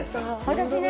私ね